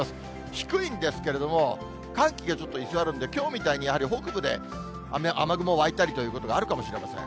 低いんですけれども、寒気がちょっと居座るんで、きょうみたいにやはり北部で雨雲湧いたりということがあるかもしれません。